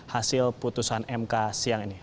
hasil putusan mk siang ini